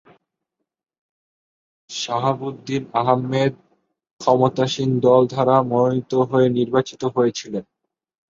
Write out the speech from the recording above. শাহাবুদ্দিন আহমেদ ক্ষমতাসীন দল দ্বারা মনোনীত হয়ে নির্বাচিত হয়েছিলেন।